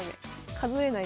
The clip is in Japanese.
数えないと。